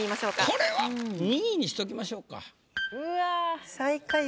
これは２位にしときましょうか。